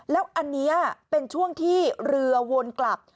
แล้วอันนี้เป็นช่วงที่เรือวนกลับ